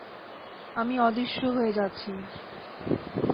আমি অদৃশ্য হয়ে যাচ্ছি।